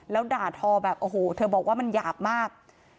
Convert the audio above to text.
แล้วด่าทอแบบโอ้โหเธอบอกว่ามันหยาบมาก